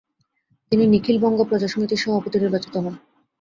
তিনি নিখিল বঙ্গ প্রজা সমিতির সভাপতি নির্বাচিত হন।